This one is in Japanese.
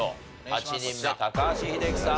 ８人目高橋英樹さん